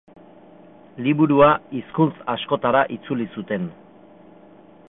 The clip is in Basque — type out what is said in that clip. Liburua hizkuntz askotara itzuli zuten.